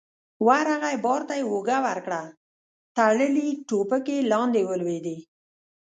ورغی، بار ته يې اوږه ورکړه، تړلې ټوپکې لاندې ولوېدې.